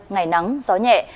ngày nắng gió nhẹ